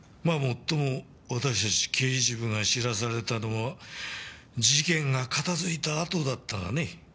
まあもっとも私たち刑事部が知らされたのは事件が片づいたあとだったがね。